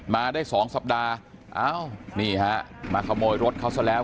มาได้๒สัปดาห์เอ้านี่ฮะมาขโมยรถเขาซะแล้ว